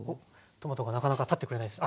トマトがなかなか立ってくれないですね。